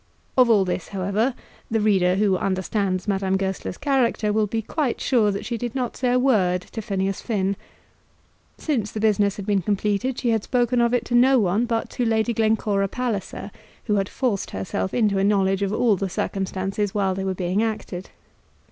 Of all this, however, the reader who understands Madame Goesler's character will be quite sure that she did not say a word to Phineas Finn. Since the business had been completed she had spoken of it to no one but to Lady Glencora Palliser, who had forced herself into a knowledge of all the circumstances while they were being acted.